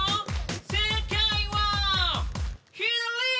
正解は左！